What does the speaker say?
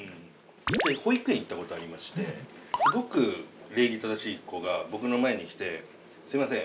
保育園に行ったことありましてすごく礼儀正しい子が僕の前に来てすいません